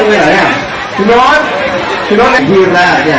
ให้พี่โดรครับ